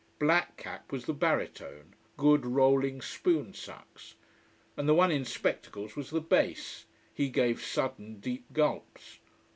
Black cap was the baritone; good, rolling spoon sucks. And the one in spectacles was the bass: he gave sudden deep gulps.